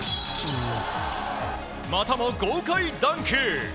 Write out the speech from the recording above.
またも豪快ダンク！